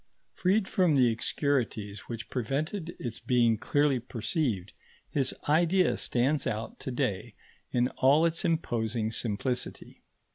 Freed from the obscurities which prevented its being clearly perceived, his idea stands out to day in all its imposing simplicity.